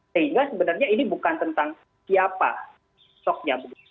sehingga sebenarnya ini bukan tentang siapa sok nyambut